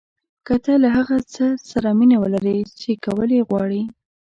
که تۀ له هغه څه سره مینه ولرې چې کول یې غواړې.